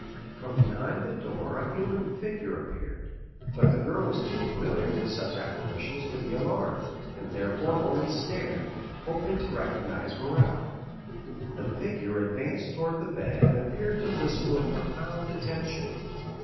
From behind the door a human figure appeared, but the girl was too familiar with such apparitions to be alarmed, and therefore only stared, hoping to recognize Morrel. The figure advanced towards the bed and appeared to listen with profound attention.